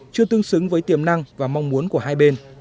chưa tương xứng với tiềm năng và mong muốn của hai bên